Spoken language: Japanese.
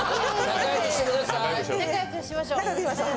仲良くしましょう。